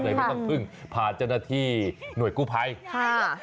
ใดไม่ต้องพึ่งผ่าจนที่หน่วยกู้ไพร